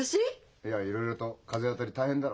いやいろいろと風当たり大変だろ？